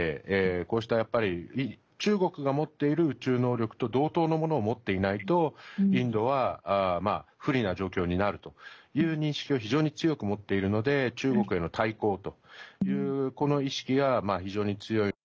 こうした、やっぱり中国が持っている宇宙能力と同等のものを持っていないとインドは不利な状況になるという認識を非常に強く持っているので中国への対抗というこの意識が非常に強い。